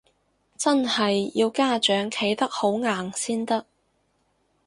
真係要家長企得好硬先得